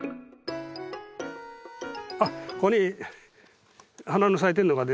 ここに花の咲いてるのが出てますね。